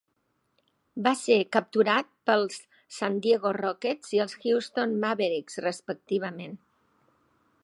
Va ser capturat pels San Diego Rockets i els Houston Mavericks, respectivament.